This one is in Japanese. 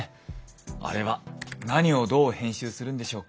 あれは何をどう編集するんでしょうか？